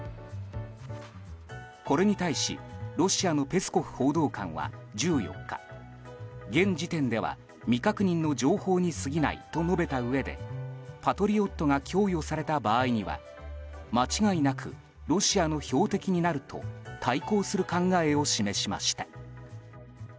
これに対しロシアのペスコフ報道官は１４日現時点では、未確認の情報に過ぎないと述べたうえでパトリオットが供与された場合には間違いなくロシアの標的になると対抗する考えを示しました。